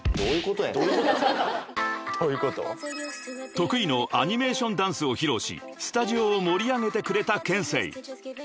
［得意のアニメーションダンスを披露しスタジオを盛り上げてくれたＫＥＮＳＥＩ］